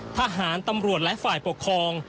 ทหารตำรวจและฝ่ายปกครอง